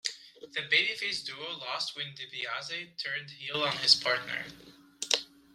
The babyface duo lost when DiBiase turned heel on his partner.